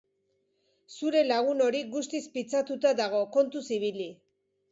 Zure lagun hori guztiz pitzatuta dago, kontuz ibili.